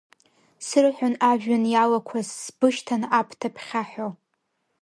Срыҳәон ажәҩан иалақәаз сбышьҭан аԥҭа ԥхьаҳәо.